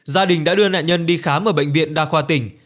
gia đình đã đưa nạn nhân đi khám ở bệnh viện đa khoa tỉnh